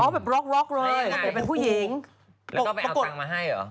อ๋อแบบล็อกเลยเป็นผู้หญิงแล้วไปเอาจังมาให้เหรอ